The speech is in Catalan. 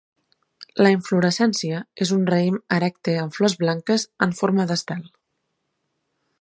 La inflorescència és un raïm erecte amb flors blanques en forma d'estel.